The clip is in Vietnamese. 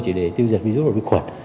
chỉ để tiêu diệt virus và vi khuẩn